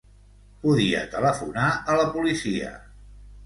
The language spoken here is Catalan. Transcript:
Podia telefonar a la policia.